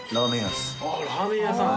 あっラーメン屋さん。